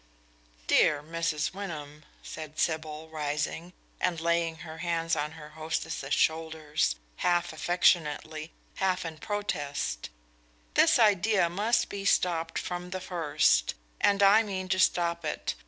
"Dear Mrs. Wyndham," said Sybil, rising, and laying her hands on her hostess's shoulders, half affectionately, half in protest, "this idea must be stopped from the first, and I mean to stop it.